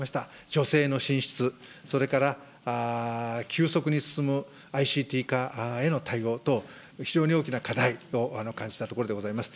女性の進出、それから急速に進むＩＣＴ化への対応と、非常に大きな課題を感じたところでございます。